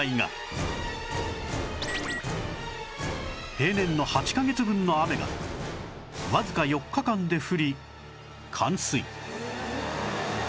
平年の８カ月分の雨がわずか４日間で降り冠水